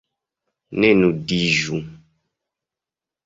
Ne nudiĝu.